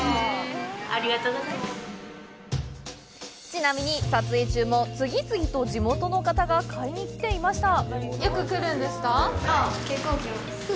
ちなみに、撮影中も次々と地元の方が買いに来ていました。